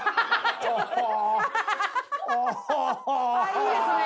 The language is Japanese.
いいですね。